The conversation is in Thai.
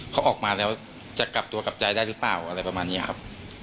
เขาออกมาแล้วจะกลับตัวกลับใจได้หรือเปล่าอะไรประมาณนี้ครับ